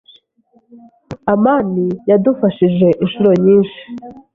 amani yadufashije inshuro nyinshi.